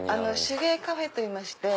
手芸カフェといいまして。